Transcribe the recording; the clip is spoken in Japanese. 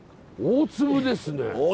大粒ですね！